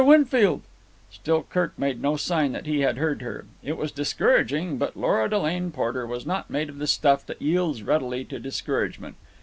Winfield!" Still Kirk made no sign that he had heard her. It was discouraging, but Lora Delane Porter was not made of the stuff that yields readily to discouragement.